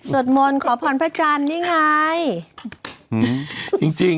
สวดมนต์ขอผ่อนพระจันทร์นี่ไง